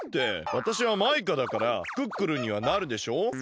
わたしはマイカだからクックルンにはなるでしょ？